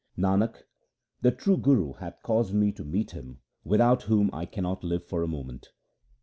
Nanak, the true Guru hath caused me to meet Him without whom I cannot live for a moment.